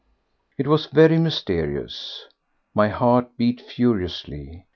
It was very mysterious. My heart beat furiously.